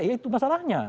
iya itu masalahnya